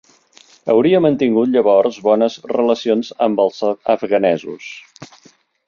Hauria mantingut llavors bones relacions amb els afganesos.